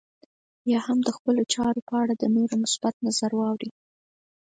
يا هم د خپلو چارو په اړه د نورو مثبت نظر واورئ.